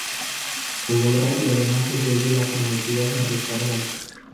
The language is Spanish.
Lo logra y además se vuelve la prometida de Ricardo.